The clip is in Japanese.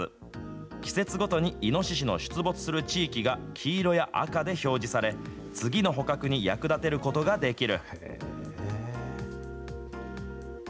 季節ごとにイノシシの出没する地域が黄色や赤で表示され、次の捕獲に役立てることができる。